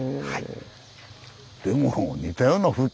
はい。